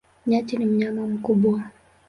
Nyati ni mnyama mkubwa.